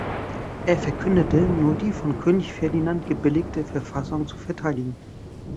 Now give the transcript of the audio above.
Er verkündete, nur die von König Ferdinand gebilligte Verfassung zu verteidigen.